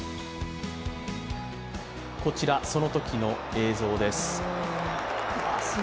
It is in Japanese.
こちら、その時の映像です。